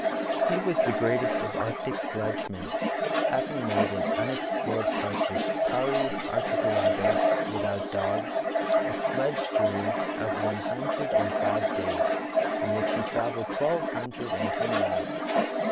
He was the greatest of arctic sledgemen, having made in unexplored parts of Parry archipelago, without dogs, a sledge journey of one hundred and five days, in which he travelled twelve hundred and ten miles.